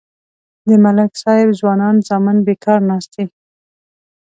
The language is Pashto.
د ملک صاحب ځوانان زامن بیکار ناست دي.